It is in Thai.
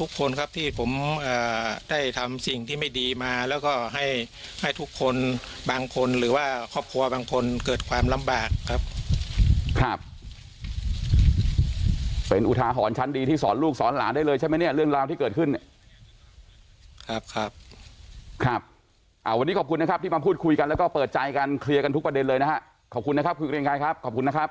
ทุกคนครับที่ผมได้ทำสิ่งที่ไม่ดีมาแล้วก็ให้ให้ทุกคนบางคนหรือว่าครอบครัวบางคนเกิดความลำบากครับครับเป็นอุทาหรณ์ชั้นดีที่สอนลูกสอนหลานได้เลยใช่ไหมเนี่ยเรื่องราวที่เกิดขึ้นเนี่ยครับครับวันนี้ขอบคุณนะครับที่มาพูดคุยกันแล้วก็เปิดใจกันเคลียร์กันทุกประเด็นเลยนะฮะขอบคุณนะครับคุณเกรงไกรครับขอบคุณนะครับ